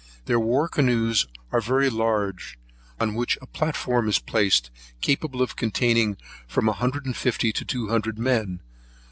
Their war canoes are very large, on which a platform is placed, capable of containing from a hundred and fifty to two hundred men.